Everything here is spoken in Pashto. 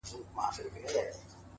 o چي د وگړو څه يې ټولي گناه كډه كړې؛